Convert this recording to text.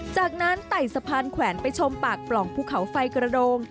จากนั้นไต่สะพานแขวนไปชมปากปล่องภูเขาไฟกระโดง